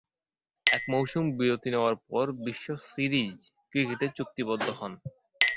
এক মৌসুম বিরতি নেয়ার পর বিশ্ব সিরিজ ক্রিকেটে চুক্তিবদ্ধ হন।